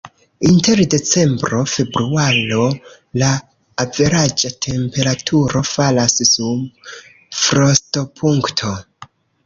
Inter decembro-februaro la averaĝa temperaturo falas sub frostopunkto.